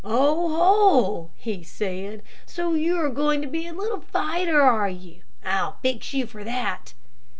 "Oho," he said, "so you are going to be a fighter, are you? I'll fix you for that."